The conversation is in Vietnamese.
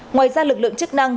ngoài ra lực lượng chức năng